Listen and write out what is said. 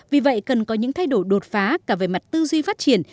vì vậy cần có những thay đổi đột phá cả về mặt tư duy phát triển